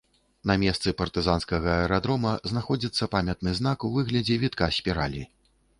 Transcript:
На месцы партызанскага аэрадрома знаходзіцца памятны знак у выглядзе вітка спіралі.